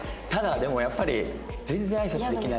ただでもやっぱりえっ！？